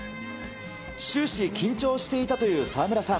終始緊張していたという沢村さん。